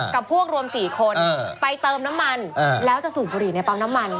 กับพวกรวม๔คนไปเติมน้ำมันแล้วจะสูบบุหรี่ในปั๊มน้ำมัน